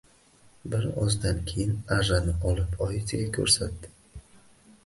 Bir ozdan keyin arrani olib oyisiga ko‘rsatdi